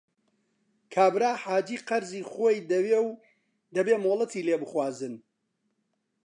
کابرا حاجی قەرزی خۆی دەوێ و دەبێ مۆڵەتی لێ بخوازن